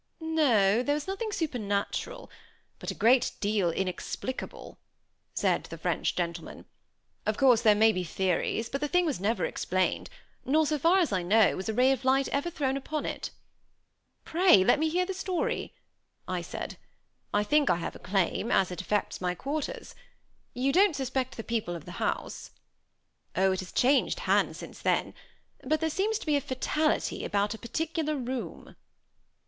"No, there was nothing supernatural; but a great deal inexplicable," said the French gentleman. "Of course, there may be theories; but the thing was never explained, nor, so far as I know, was a ray of light ever thrown upon it." "Pray let me hear the story," I said. "I think I have a claim, as it affects my quarters. You don't suspect the people of the house?" "Oh! it has changed hands since then. But there seemed to be a fatality about a particular room."